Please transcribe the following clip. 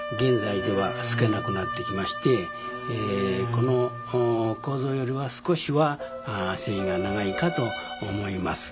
このコウゾよりは少しは繊維が長いかと思います。